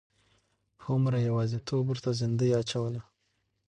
هومره یوازیتوب ورته زندۍ اچوله.